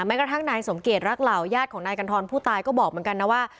กระทั่งนายสมเกียจรักเหล่าญาติของนายกัณฑรผู้ตายก็บอกเหมือนกันนะว่า